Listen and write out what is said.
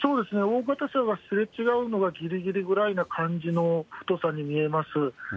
大型車がすれ違うのがぎりぎりぐらいな感じの太さに見えます。